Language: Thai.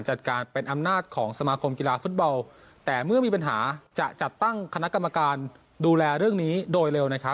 สามารถประเวชอาโกนกีฬาภุตเบาแต่มีปัญหาจะถั่งพดตะกลับเป็นการดูแลเรื่องนี้โดยเร็วนะ